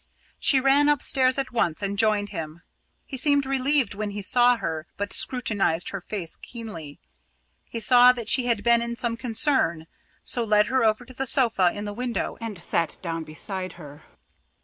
She ran upstairs at once and joined him. He seemed relieved when he saw her, but scrutinised her face keenly. He saw that she had been in some concern, so led her over to the sofa in the window and sat down beside her.